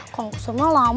kang kusoy mah lama jalannya